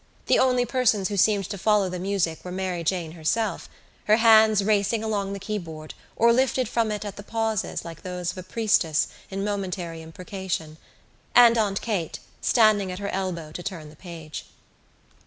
The only persons who seemed to follow the music were Mary Jane herself, her hands racing along the keyboard or lifted from it at the pauses like those of a priestess in momentary imprecation, and Aunt Kate standing at her elbow to turn the page.